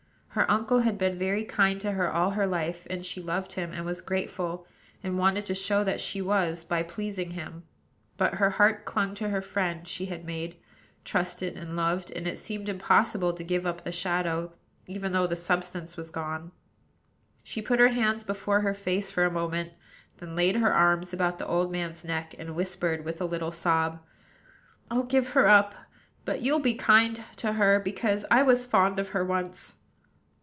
Her uncle had been very kind to her all her life; and she loved him, was grateful, and wanted to show that she was, by pleasing him. But her heart clung to the friend she had made, trusted, and loved; and it seemed impossible to give up the shadow, even though the substance was gone. She put her hands before her face for a moment; then laid her arms about the old man's neck, and whispered, with a little sob: "I'll give her up; but you'll be kind to her, because I was fond of her once."